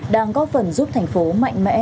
đang góp phần giúp thành phố mạnh mẽ